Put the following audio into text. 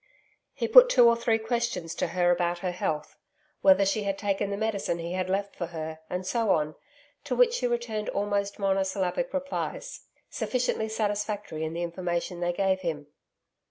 He put two or three questions to her about her health whether she had taken the medicine he had left for her, and so on, to which she returned almost monosyllabic replies, sufficiently satisfactory in the information they gave him.